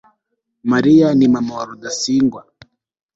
mariya ni mama wa rudasingwa